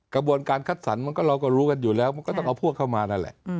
กระบวนการคัดสรรมันก็เราก็รู้กันอยู่แล้วมันก็ต้องเอาพวกเข้ามานั่นแหละ